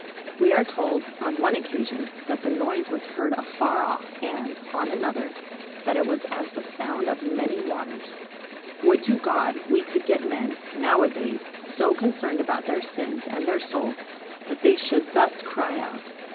We are told, on one occasion, that the noise was heard afar off, and, on another, that it was as the sound of many waters. Would to God we could get men, now a days, so concerned about their sins and their souls, that they should thus cry out.